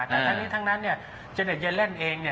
แต่ทั้งนั้นเนี่ยเจนเย็นเล่นเองเนี่ย